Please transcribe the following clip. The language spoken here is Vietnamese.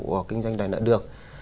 của kinh doanh đòi nợ được